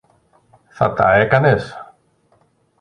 θα τα έκανες;